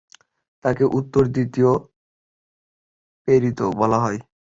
তাকে "উত্তরের দ্বিতীয় প্রেরিত" বলা হয়।